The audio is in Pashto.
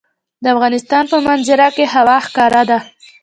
د افغانستان په منظره کې هوا ښکاره ده.